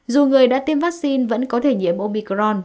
dù người đã tiêm vaccine vẫn có thể nhiễm obicron